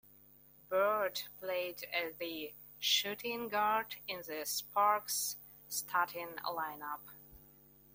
Beard played the shooting guard in the Sparks's starting lineup.